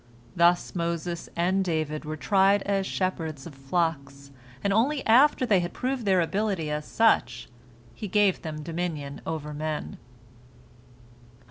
Thus Moses and David were tried as shepherds of flocks, and only after they had proved their ability as such, He gave them dominion over men.